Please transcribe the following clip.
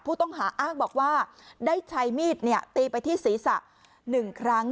ผู้ต้องหาอ้างบอกว่าได้ใช้มีดตีไปที่ศีรษะ๑ครั้ง